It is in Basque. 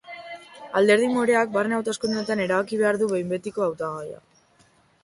Alderdi moreak barne hauteskundeetan erabaki behar du behin betiko hautagaia.